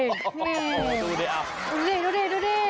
ดูดิดูดิดูดิ